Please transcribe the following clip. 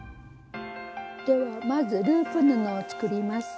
ではまずループ布を作ります。